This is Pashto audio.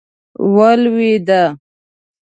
ولوېده.